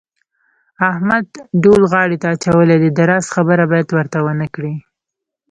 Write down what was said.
احمد ډول غاړې ته اچولی دی د راز خبره باید ورته ونه کړې.